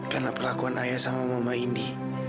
karena perlakuan ayah sama mama indi